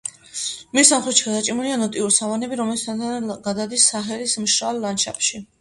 მის სამხრეთში გადაჭიმულია ნოტიო სავანები, რომელიც თანდათან გადადის საჰელის მშრალ ლანდშაფტში.